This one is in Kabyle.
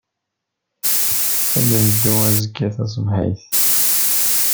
Ad neddu azekka taṣebḥit.